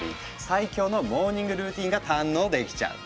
最強のモーニングルーティンが堪能できちゃう。